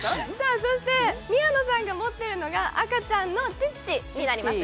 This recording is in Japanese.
そして宮野さんが持ってるのが赤ちゃんのチッチになります